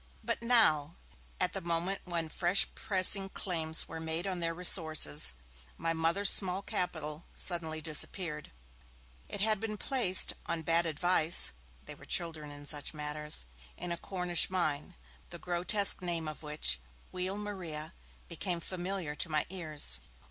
But now, at the moment when fresh pressing claims were made on their resources, my Mother's small capital suddenly disappeared. It had been placed, on bad advice (they were as children in such matters), in a Cornish mine, the grotesque name of which, Wheal Maria, became familiar to my ears.